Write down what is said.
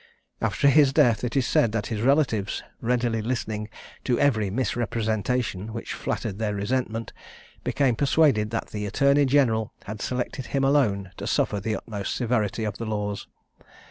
After his death, it is said that his relatives, readily listening to every misrepresentation which flattered their resentment, became persuaded that the attorney general had selected him alone to suffer the utmost severity of the laws.